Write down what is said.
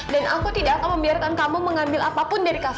dan aku tidak akan membiarkan kamu mengambil apa pun dari kava